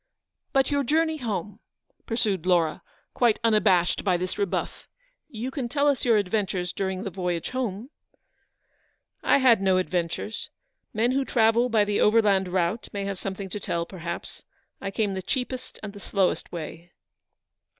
" But your voyage home," pursued Laura, quite unabashed by this rebuff; "you can tell us your adventures during the voyage home." 296 Eleanor's victory. " I had no adventures. Men who travel by the overland route may have something to tell, perhaps : I came the cheapest and the slowest way."